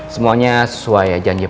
semuanya sesuai janjian saya